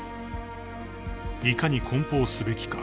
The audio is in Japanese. ［いかに梱包すべきか］